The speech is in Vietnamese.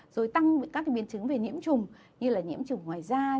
rồi tăng các biến chứng về nhiễm trùng như là nhiễm trùng ngoài da